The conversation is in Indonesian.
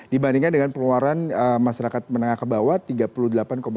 dibandingkan dengan pengeluaran masyarakat menengah ke bawah tiga puluh delapan lima